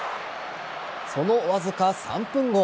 そのわずか３分後。